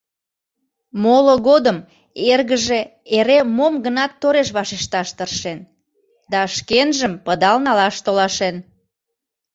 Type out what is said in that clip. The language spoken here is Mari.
Моло годым эргыже эре мом-гынат тореш вашешташ тыршен да шкенжым пыдал налаш толашен.